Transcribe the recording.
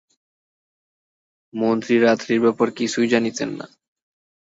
মন্ত্রী রাত্রির ব্যাপার কিছুই জানিতেন না।